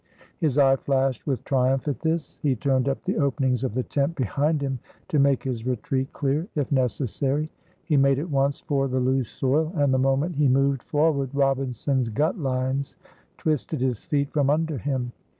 His eye flashed with triumph at this. He turned up the openings of the tent behind him to make his retreat clear if necessary. He made at once for the loose soil, and the moment he moved forward Robinson's gut lines twisted his feet from under him.